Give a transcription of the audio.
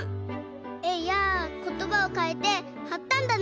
えやことばをかいてはったんだね。